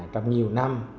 trong nhiều năm